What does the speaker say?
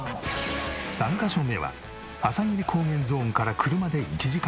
３カ所目は朝霧高原ゾーンから車で１時間半。